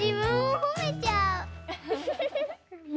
ほめちゃうね。